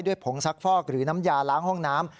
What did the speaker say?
ผงซักฟอกหรือน้ำยาล้างห้องน้ำ